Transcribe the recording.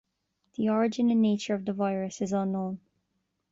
The origin and nature of the virus is unknown.